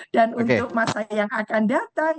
dan untuk masa yang akan datang